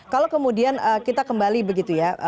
kalau kemudian kita kembali begitu ya